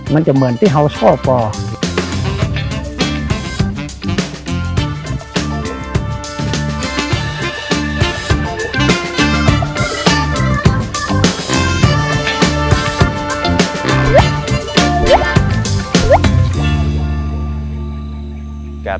มันจะเหมือนที่เขาชอบก่อน